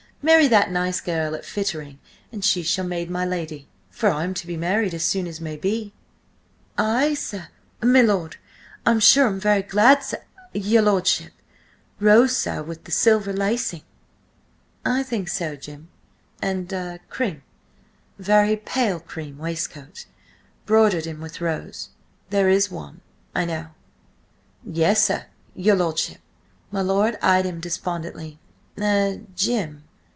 Marry that nice girl at Fittering, and she shall maid my lady. For I'm to be married as soon as may be!" "Ay, s–my lord! I'm sure I'm very glad, s–your lordship. Rose, sir? With the silver lacing?" "I think so, Jim. And a cream–very pale cream waistcoat, broidered in with rose. There is one, I know." "Yes, sir–your lordship." My lord eyed him despondently. "Er–Jim!"